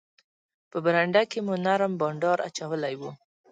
په برنډه کې مو نرم بانډار اچولی وو.